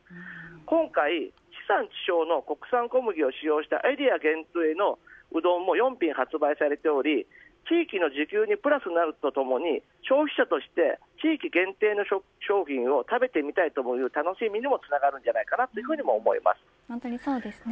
今回、地産地消の国産小麦を使用したエリア限定のうどんも４品、発売されており地域の自給にプラスになるとともに消費者として地域限定の商品を食べてみたいという楽しみにもつながるんじゃないかと思っています。